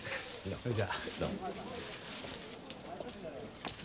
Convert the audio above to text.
それじゃあ。